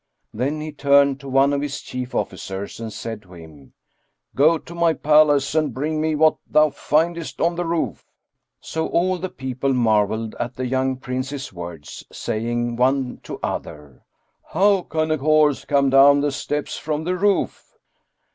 Then he turned to one of his chief officers and said to him, "Go to my palace and bring me what thou findest on the roof." So all the people marvelled at the young Prince's words, saying one to other, "How can a horse come down the steps from the roof?